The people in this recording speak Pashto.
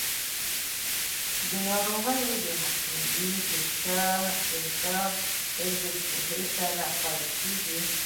د ناروغیو مخنیوی د ښه حفظ الصحې سره پیل کیږي.